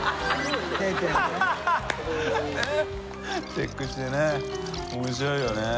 チェックしてね面白いよね。